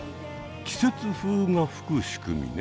季節風がふくしくみね。